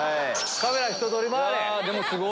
カメラひと通り回れ！